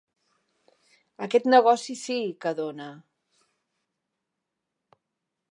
Aquest negoci sí, que dona!